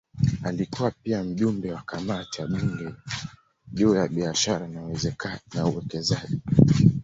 Alikuwa pia mjumbe wa kamati ya bunge juu ya biashara na uwekezaji.